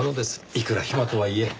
いくら暇とはいえ。